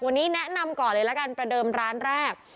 วันนี้แนะนำก่อนเลยละกันประเดิมร้านแรก